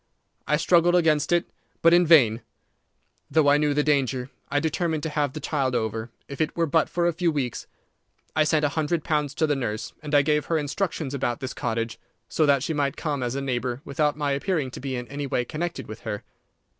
I struggled against it, but in vain. Though I knew the danger, I determined to have the child over, if it were but for a few weeks. I sent a hundred pounds to the nurse, and I gave her instructions about this cottage, so that she might come as a neighbour, without my appearing to be in any way connected with her.